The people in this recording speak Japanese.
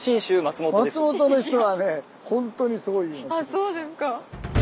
そうですか。